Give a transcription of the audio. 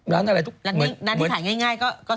ร้านนี้ร้านที่ขายง่ายก็ซบเซา